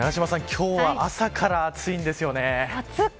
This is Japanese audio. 今日は朝から暑いんですよね。